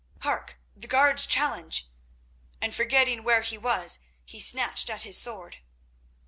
Hark! the guards challenge," and, forgetting where he was, he snatched at his sword.